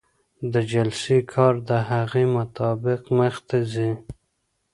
د جلسې کار د هغې مطابق مخکې ځي.